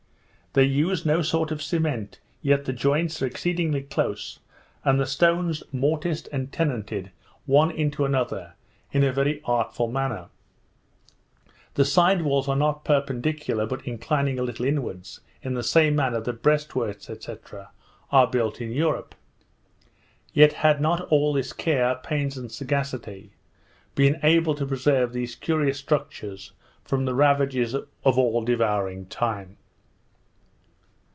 They use no sort of cement, yet the joints are exceedingly close, and the stones morticed and tenanted one into another, in a very artful manner. The side walls are not perpendicular, but inclining a little inwards, in the same manner that breast works, &c. are built in Europe; yet had not all this care, pains, and sagacity, been able to preserve these curious structures from the ravages of all devouring time.